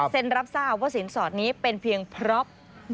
รับทราบว่าสินสอดนี้เป็นเพียงพร็อป